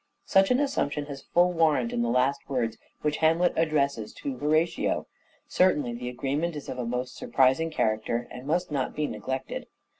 Such an assumption has full warrant in the last words' which Hamlet addresses to Horatio. Certainly the agreement is of a most surprising character and must not be neglected.